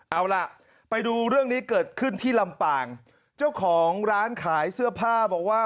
เอาล่ะไปดูเรื่องนี้เกิดขึ้นที่ลำปางเจ้าของร้านขายเสื้อผ้าบอกว่า